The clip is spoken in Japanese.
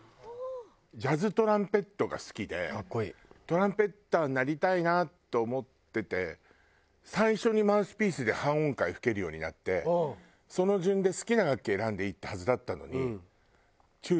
トランペッターになりたいなと思ってて最初にマウスピースで半音階吹けるようになってその順で好きな楽器選んでいいってはずだったのに。